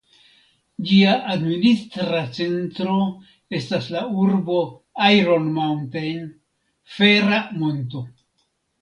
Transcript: Ĝia administra centro estas la urbo "Iron Mountain" ("Fera Monto").